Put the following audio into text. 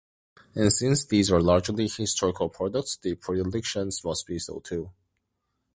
And since these are largely historical products, the predilections must be so too.